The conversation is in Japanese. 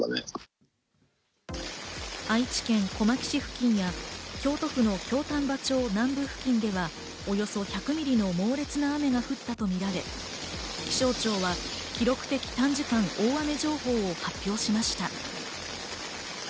愛知県小牧市付近や京都府の京丹波町南部付近ではおよそ１００ミリの猛烈な雨が降ったとみられ、気象庁は記録的短時間大雨情報を発表しました。